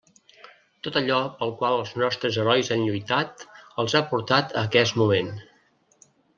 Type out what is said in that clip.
Tot allò pel qual els nostres herois han lluitat els ha portat a aquest moment.